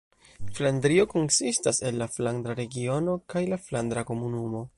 Flandrio konsistas el la Flandra Regiono kaj la Flandra Komunumo.